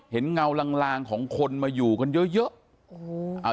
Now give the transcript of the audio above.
เห็นเงาหลังของคนมาอยู่กันเยอะ